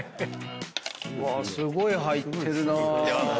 うわすごい入ってるなぁ。